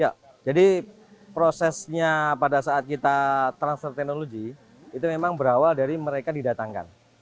ya jadi prosesnya pada saat kita transfer teknologi itu memang berawal dari mereka didatangkan